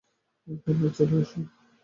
Conrad, চলো।